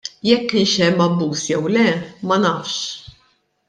Jekk kienx hemm abbuż jew le, ma nafx.